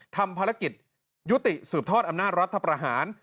ทำภารกิจยุติสืบทอดอำนาจรัฐประหาร